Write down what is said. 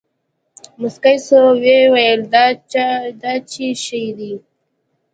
موسکى سو ويې ويل دا چي شې دي.